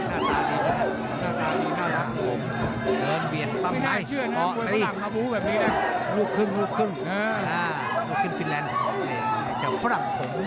หน้าทางเนี่ยหลังผม